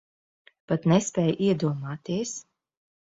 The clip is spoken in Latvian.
Pat nespēj iedomāties.